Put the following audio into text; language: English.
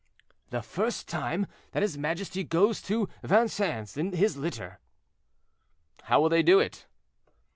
"The first time that his majesty goes to Vincennes in his litter." "How will they do it?"